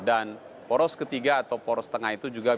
dan poros ketiga atau poros tengah itu juga misalnya